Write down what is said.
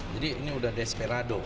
jadi ini sudah desperado